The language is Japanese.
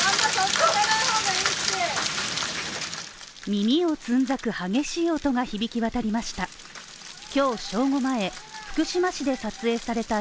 耳をつんざく激しい音が響き渡りました。